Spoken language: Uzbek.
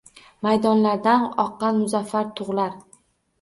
Maydonlardan oqqan muzaffar tug’lar..